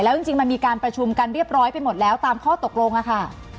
จริงมันมีการประชุมกันเรียบร้อยไปหมดแล้วตามข้อตกลงค่ะ